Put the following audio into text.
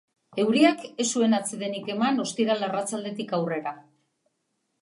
Euriak ez zuen atsedenik eman ostiral arratsaldetik aurrera.